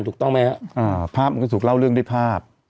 ถูกต้องไหมครับภาพมันก็ถูกเล่าเรื่องด้วยภาพ